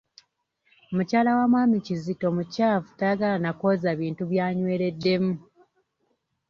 Mukyala wa mwami Kizito mukyafu tayagala na kwoza bintu by'anywereddemu.